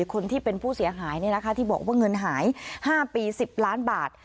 คนที่เป็นผู้เสียหายที่บอกว่าเงินหาย๕ปี๑๐ล้านบาท